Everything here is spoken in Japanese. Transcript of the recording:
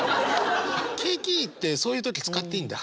「景気いい」ってそういう時使っていいんだ？